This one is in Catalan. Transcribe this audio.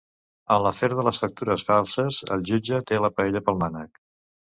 En l'afer de les factures falses el jutge té la paella pel mànec.